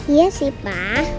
iya sih pa